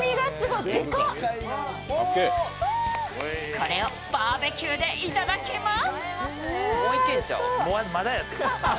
それをバーベキューでいただきます！